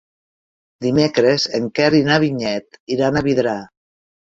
Dimecres en Quer i na Vinyet iran a Vidrà.